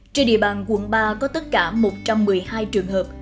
trên địa bàn quận ba có tất cả một trăm một mươi hai trường hợp